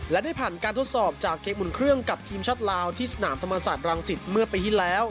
และได้ผ่านการทดสอบจากเกมอุ่นเครื่องกับทีมชาติลาวที่สนามธรรมศาสตร์รังสิตเมื่อปีที่แล้ว